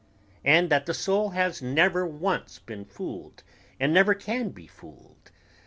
and that the soul has never once been fooled and never can be fooled